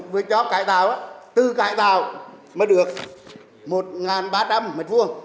vừa cho cải tạo tự cải tạo mới được một ba trăm linh m hai